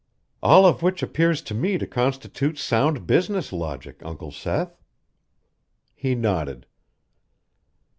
"All of which appears to me to constitute sound business logic, Uncle Seth." He nodded.